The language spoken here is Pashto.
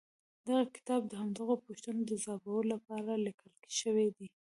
دغه کتاب د همدغو پوښتنو د ځوابولو لپاره ليکل شوی دی.